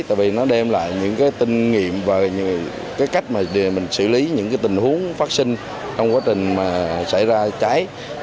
tại vì nó đem lại những tinh nghiệm và cách xử lý những tình huống phát sinh trong quá trình xảy ra cháy